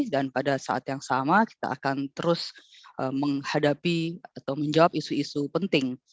dan pada saat yang sama kita akan terus menghadapi atau menjawab isu isu penting